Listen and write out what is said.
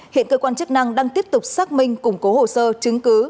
hiện cơ quan chức năng đang tiếp tục xác minh củng cố hồ sơ chứng cứ